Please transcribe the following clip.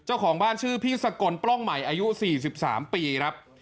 เจ้าของบ้านชื่อพี่สกลปล้องใหม่อายุ๔๓ปีครับ